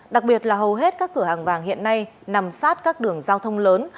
đặc biệt là hầu hết các cửa hàng vàng hiện nay nằm sát các đường giao thông lớn